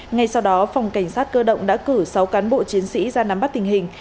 ngay sau đó phòng cảnh sát cơ động đã cử sáu cán bộ chiến sĩ ra nắm bắt tình hình